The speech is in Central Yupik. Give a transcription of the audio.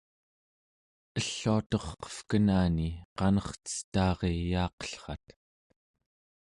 elluaturqevkenani qanercetaariyaaqellrat